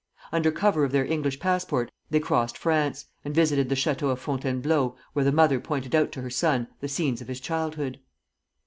Under cover of their English passport they crossed France, and visited the Château of Fontainebleau, where the mother pointed out to her son the scenes of his childhood.